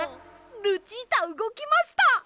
ルチータうごきました！